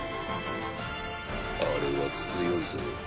あれは強いぞ。